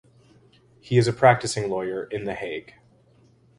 He is a practising lawyer in The Hague.